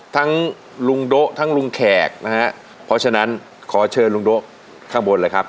ทุกครั้งที่วิว่าเราไม่ได้ดูโอกาสนั้นพร้อมถึงเป็นรุ่นของทุกคน